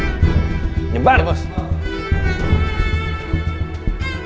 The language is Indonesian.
ada barang sudah datang